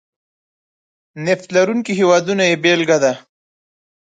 نفت لرونکي هېوادونه یې بېلګه ده.